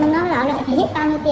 nó bảo nó đang thanh tra nó về